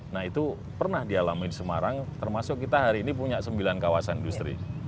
nah itu pernah dialami di semarang termasuk kita hari ini punya sembilan kawasan industri